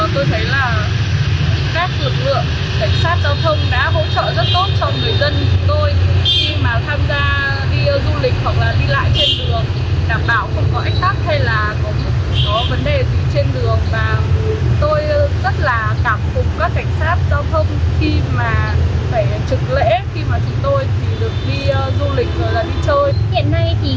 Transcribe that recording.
trong dịp nghỉ lễ vừa qua tôi thấy các lực lượng cảnh sát giao thông đã hỗ trợ rất tốt cho người dân